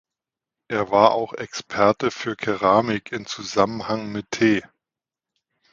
Er war auch Experte für Keramik im Zusammenhang mit Tee.